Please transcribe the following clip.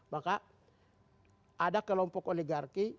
maka ada kelompok oligarki